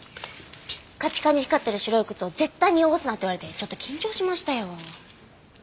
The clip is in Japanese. ピッカピカに光ってる白い靴を絶対に汚すなって言われてちょっと緊張しましたよ。